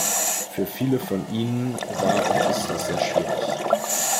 Für viele von ihnen war und ist das sehr schwierig.